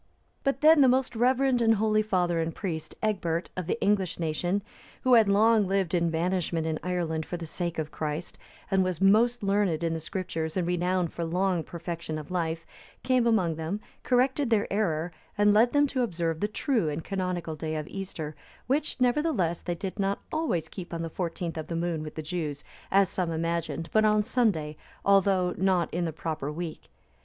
But then the most reverend and holy father and priest, Egbert,(308) of the English nation, who had long lived in banishment in Ireland for the sake of Christ, and was most learned in the Scriptures, and renowned for long perfection of life, came among them, corrected their error, and led them to observe the true and canonical day of Easter; which, nevertheless, they did not always keep on the fourteenth of the moon with the Jews, as some imagined, but on Sunday, although not in the proper week.